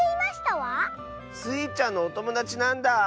スイちゃんのおともだちなんだ。